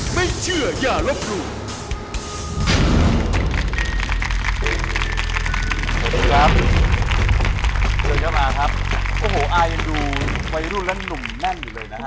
สวัสดีครับโอ้โหอายังดูวัยรุ่นและหนุ่มแน่นอยู่เลยนะฮะ